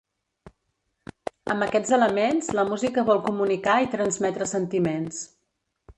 Amb aquests elements la música vol comunicar i transmetre sentiments.